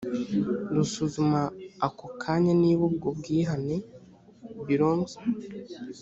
rusuzuma ako kanya niba ubwo bwihane belongs